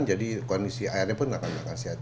jadi kondisi airnya pun akan akan sehat